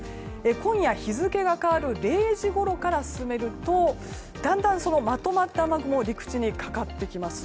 今夜、日付が変わる０時ごろから進めるとだんだんまとまった雨雲が陸地にかかってきます。